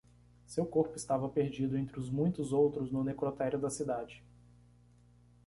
Seu corpo estava perdido entre os muitos outros no necrotério da cidade.